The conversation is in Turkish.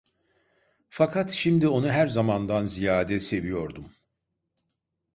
Fakat şimdi onu her zamandan ziyade seviyordum.